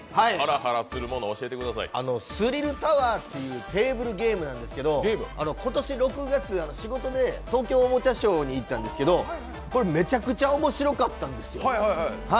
「スリルタワー」っていうテーブルゲームなんですけど今年６月、仕事で東京おもちゃショーに行ったんですけど、めちゃくちゃ面白かったんですよ。